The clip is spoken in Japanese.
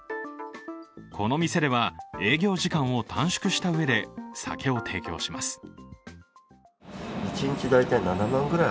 この店では、営業時間を短縮したうえで酒を提供します。